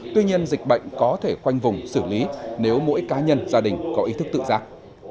tuy nhiên dịch bệnh có thể khoanh vùng xử lý nếu mỗi cá nhân gia đình có ý thức tự giác